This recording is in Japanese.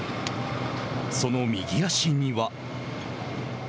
その右足には。